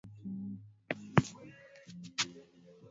Nambari ya pili.